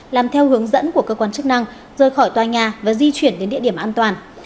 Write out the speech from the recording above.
làm theo hướng dẫn của cơ quan chức năng rời khỏi tòa nhà và di chuyển đến địa điểm an toàn